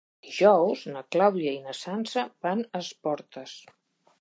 Dijous na Clàudia i na Sança van a Esporles.